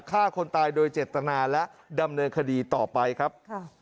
ฆ่าคนตายโดยเจตนาและดำเนินคดีต่อไปครับ